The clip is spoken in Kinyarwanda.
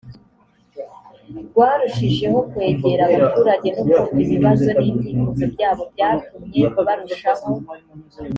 rwarushijeho kwegera abaturage no kumva ibibazo n ibyifuzo byabo byatumye barushaho